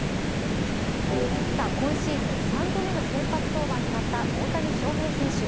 今シーズン３度目の先発登板となった大谷翔平選手。